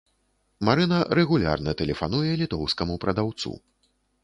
Марына рэгулярна тэлефануе літоўскаму прадаўцу.